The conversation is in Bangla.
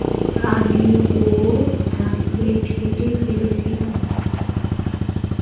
রানীও তার পেট কেটে ফেলছিল।